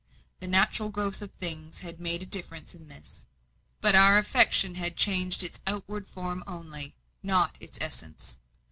The natural growth of things had made a difference in this, but our affection had changed its outward form only, not its essence.